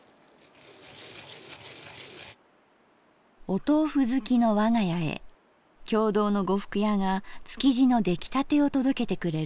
「お豆腐好きのわが家へ経堂の呉服屋が築地の出来たてを届けてくれる。